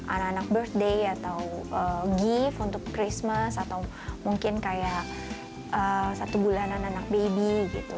anak anak birth day atau give untuk christmas atau mungkin kayak satu bulanan anak baby gitu